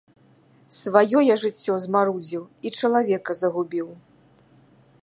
Сваё я жыццё замарудзіў і чалавека загубіў.